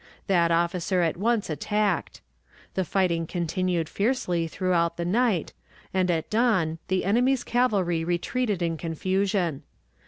That officer at once attacked. The fighting continued fiercely throughout the night, and at dawn the enemy's cavalry retreated in confusion.